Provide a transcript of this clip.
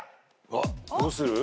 うわっどうする？